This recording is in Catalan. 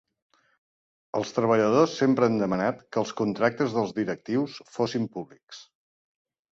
Els treballadors sempre han demanat que els contractes dels directius fossin públics.